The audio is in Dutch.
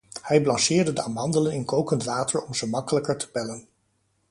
Hij blancheerde de amandelen in kokend water om ze makkelijker te pellen.